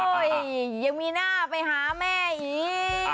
ยังมีหน้าไปหาแม่อีก